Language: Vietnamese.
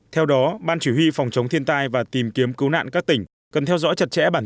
theo đó ban chỉ huy phòng chống thiên tai và tìm kiếm cứu nạn các tỉnh cần theo dõi chặt chẽ bản